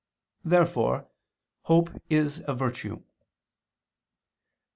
Therefore hope is a virtue.